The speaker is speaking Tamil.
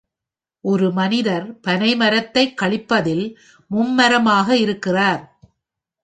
ஒரு மனிதர் பனைமரைத்தை கழிப்பதில் மும்மரமாக இருக்கிறார்.